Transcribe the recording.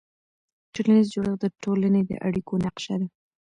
ټولنیز جوړښت د ټولنې د اړیکو نقشه ده.